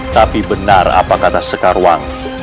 tapi benar apa kata sekarwangi